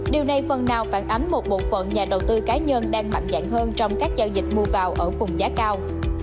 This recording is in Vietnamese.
điều này phần nào phản ánh một bộ phận nhà đầu tư cá nhân đang mạnh dạng hơn trong các giao dịch mua vào ở vùng giá cao